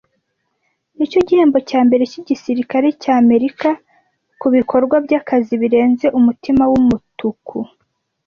Nicyo gihembo cyambere cyigisirikare cyamerika kubikorwa byakazi birenze umutima wumutuku